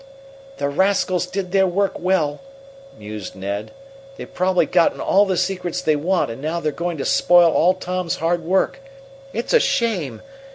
"The rascals did their work well," mused Ned. "They've probably gotten all the secrets they want and now they're going to spoil all Tom's hard work. It's a shame!